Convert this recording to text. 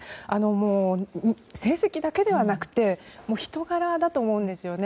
成績だけではなく人柄だと思うんですよね。